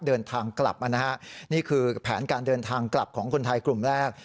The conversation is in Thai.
เดินทางกลับมานะฮะนี่คือแผนการเดินทางกลับของคนไทยกลุ่มแรก